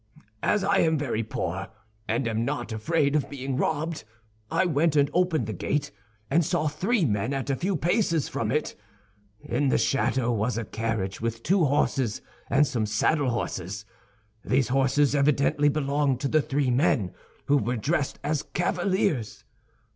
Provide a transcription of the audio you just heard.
As I am very poor and am not afraid of being robbed, I went and opened the gate and saw three men at a few paces from it. In the shadow was a carriage with two horses, and some saddlehorses. These horses evidently belonged to the three men, who were dressed as cavaliers.